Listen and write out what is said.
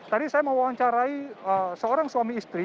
tadi saya mau wawancarai seorang suami istri